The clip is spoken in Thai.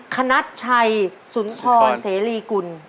คณัชชัยสุนทรเสรีกุล